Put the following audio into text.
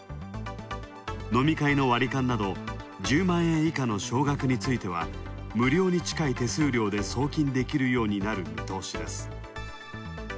飲み会の割り勘など１０万円以下の小額については無料に近い手数料で送金できるようになる見通しです。